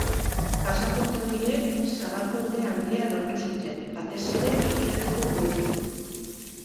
Pasaporte horiek zabalkunde handia lortu zuten, batez ere Ekialdeko Europan.